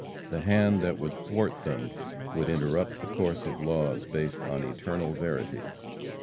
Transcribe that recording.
The hand that would thwart them would interrupt the course of laws based on eternal verities.